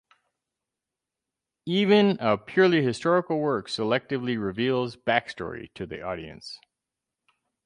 Even a purely historical work selectively reveals backstory to the audience.